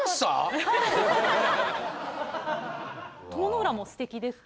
鞆の浦もすてきですか？